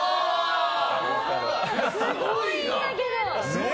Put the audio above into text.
すごいんだけど！